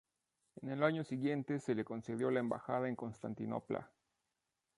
En el año siguiente, se le concedió la embajada en Constantinopla.